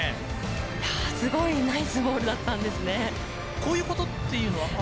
いやあすごいナイスボールだったんですね。